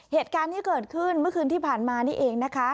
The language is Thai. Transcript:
เหตุการณ์ที่เกิดขึ้นเมื่อคืนที่ผ่านมานี่เองนะคะ